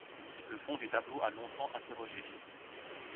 Le fond du tableau a longtemps interrogé.